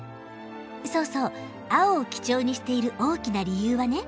そうそう青を基調にしている大きな理由はね